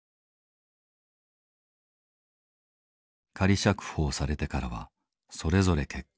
仮釈放されてからはそれぞれ結婚。